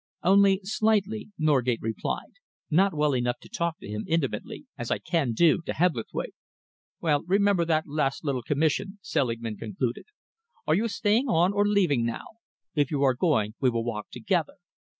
"Only slightly," Norgate replied, "Not well enough to talk to him intimately, as I can do to Hebblethwaite." "Well, remember that last little commission," Selingman concluded. "Are you staying on or leaving now? If you are going, we will walk together.